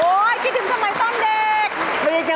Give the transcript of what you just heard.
คิดถึงสมัยตอนเด็ก